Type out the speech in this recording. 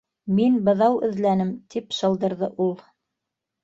- Мин быҙау эҙләнем, - тип шылдырҙы ул.